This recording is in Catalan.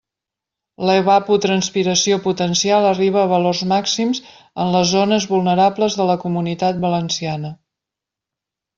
L'evapotranspiració potencial arriba a valors màxims en les zones vulnerables de la Comunitat Valenciana.